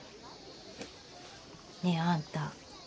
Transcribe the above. ねえあんた